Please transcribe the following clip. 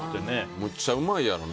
めっちゃうまいやろうね。